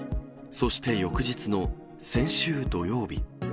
そして翌日の先週土曜日。